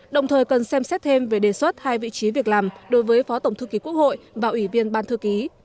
đồng thời cần xem xét thêm về đề xuất hai vị trí việc làm đối với phó tổng thư ký quốc hội và ủy viên ban thư ký